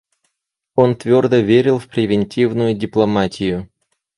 Он твердо верил в превентивную дипломатию.